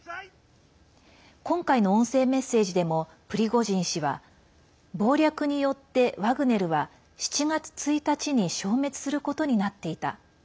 今回の音声メッセージでもプリゴジン氏は謀略によってワグネルは７月１日に消滅することになっていた。